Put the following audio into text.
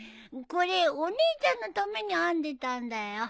これお姉ちゃんのために編んでたんだよ。